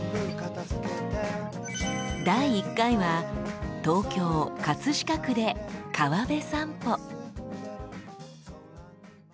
第１回は東京飾区で川辺さんぽ。